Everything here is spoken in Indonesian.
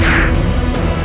kita akan mencoba untuk mencoba